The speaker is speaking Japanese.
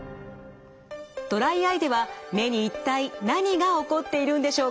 ドライアイでは目に一体何が起こっているんでしょうか？